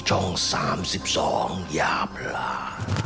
ช่อง๓๒อย่าพลา